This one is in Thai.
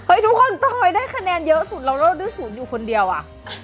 เฮ้ยทุกคนทำไมได้คะแนนเยอะสุดเราเล่าด้วยสูตรอยู่คนเดียวอะ